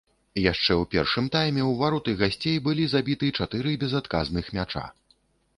Яшчэ ў першым тайме ў вароты гасцей былі забіты чатыры безадказных мяча.